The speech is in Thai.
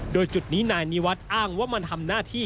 โดยจุดนี้นายนิวัฒน์อ้างว่ามันทำหน้าที่